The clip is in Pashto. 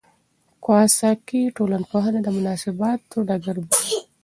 کواساکي ټولنپوهنه د مناسباتو ډګر بولي.